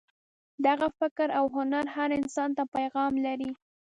دغه فکر او هنر هر انسان ته پیغام لري.